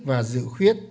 và dự khuyết